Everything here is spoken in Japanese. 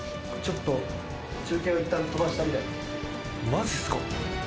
マジっすか。